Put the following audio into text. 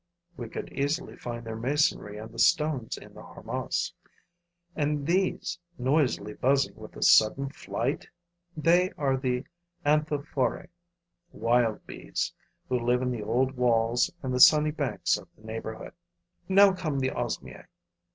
We could easily find their masonry on the stones in the harmas. And these noisily buzzing with a sudden flight? They are the Anthophorae [wild bees], who live in the old walls and the sunny banks of the neighborhood. Now come the Osmiae.